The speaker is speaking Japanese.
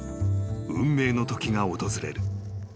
運命のときが訪れる］